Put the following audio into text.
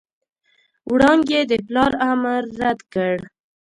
وړانګې د پلار امر رد کړ.